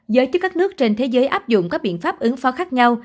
giới chức các nước trên thế giới áp dụng các biện pháp ứng phó khác nhau